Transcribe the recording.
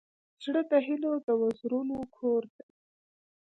زړه د هيلو د وزرونو کور دی.